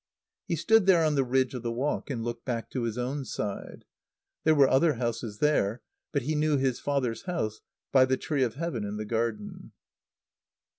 He stood there on the ridge of the Walk and looked back to his own side. There were other houses there; but he knew his father's house by the tree of Heaven in the garden.